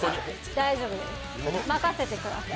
大丈夫です、任せてください。